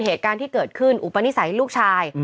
เหตุการณ์ที่เกิดขึ้นอุปนิสัยลูกชาย